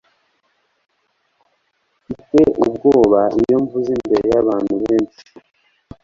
Mfite ubwoba iyo mvuze imbere yabantu benshi.